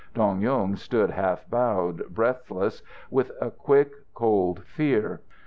Dong Yung stood half bowed, breathless with a quick, cold fear.